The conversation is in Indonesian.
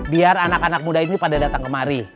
biar anak anak muda ini pada datang kemari